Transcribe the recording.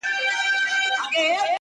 هره څپه یې ورانوي د بګړۍ ولونه!٫.